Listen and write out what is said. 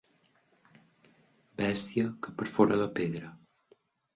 Bèstia que perfora la pedra.